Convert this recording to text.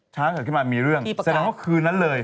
เกิดขึ้นมามีเรื่องแสดงว่าคืนนั้นเลย